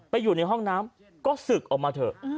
อยู่ในห้องน้ำก็ศึกออกมาเถอะ